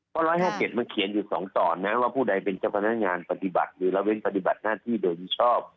เพราะ๑๕๗มันเขียนอยู่๒ตอนนะว่าผู้ใดเป็นเจ้าพนักงานปฏิบัติหรือละเว้นปฏิบัติหน้าที่โดยมิชอบ